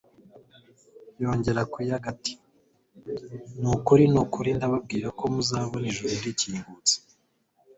yongera kuyaga ati: "Ni ukuri, ni ukuri ndababwira ko muzabona ijuru rikingutse